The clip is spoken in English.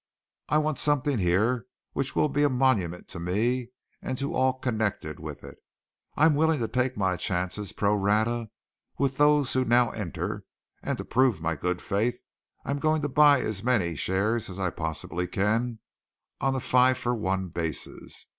I want something here which will be a monument to me and to all connected with it. I am willing to take my chances pro rata with those who now enter, and to prove my good faith I am going to buy as many shares as I possibly can on the five for one basis.